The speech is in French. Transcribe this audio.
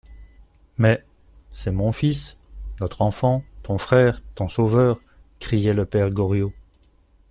Mais, c'est mon fils, notre enfant, ton frère, ton sauveur, criait le père Goriot.